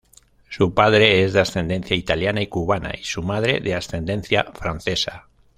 Su padre es de ascendencia italiana y cubana, y su madre de ascendencia francesa.